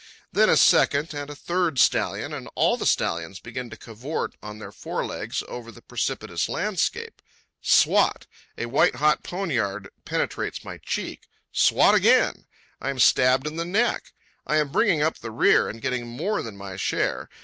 Then a second and a third stallion, and all the stallions, begin to cavort on their forelegs over the precipitous landscape. Swat! A white hot poniard penetrates my cheek. Swat again!! I am stabbed in the neck. I am bringing up the rear and getting more than my share.